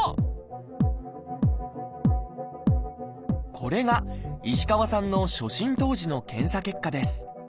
これが石川さんの初診当時の検査結果です。